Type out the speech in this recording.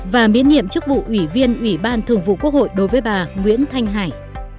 và miễn nhiệm chức vụ ủy viên ủy ban thường vụ quốc hội đối với bà nguyễn thanh hải